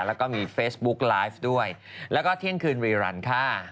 แล้วก็มีเฟซบุ๊กไลฟ์ด้วยแล้วก็เที่ยงคืนวีรันค่ะ